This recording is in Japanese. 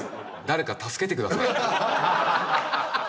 誰か助けてください。